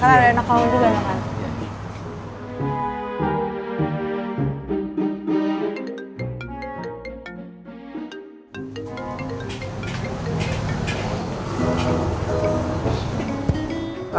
kan ada anak kamu juga yang makan